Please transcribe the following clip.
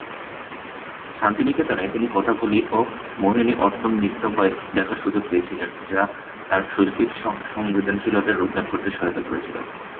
শান্তিনিকেতনে তিনি কথাকলি ও মোহিনীঅট্টম নৃত্যাভিনয় দেখার সুযোগ পেয়েছিলেন যা তাঁর শৈল্পিক সংবেদনশীলতায় রূপদান করতে সহায়তা করেছিল।